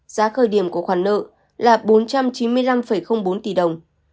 giá khởi điểm của khoản nợ là bốn trăm chín mươi năm bốn tỷ đồng